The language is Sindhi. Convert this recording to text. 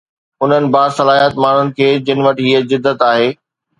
انهن باصلاحيت ماڻهن کي جن وٽ هي جدت آهي.